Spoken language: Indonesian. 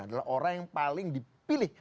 adalah orang yang paling dipilih